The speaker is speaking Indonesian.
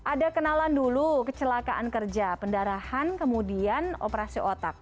ada kenalan dulu kecelakaan kerja pendarahan kemudian operasi otak